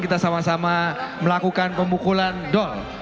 kita sama sama melakukan pemukulan dol